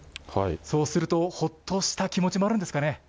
そうすると、ほっとした気持ちもあるんですかね。